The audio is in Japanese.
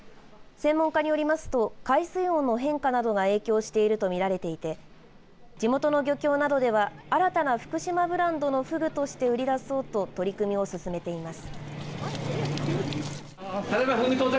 専門家によりますと海水温の変化などが影響しているとみられていて地元の漁協などでは新たな福島ブランドのフグとして売り出そうと取り組みを進めています。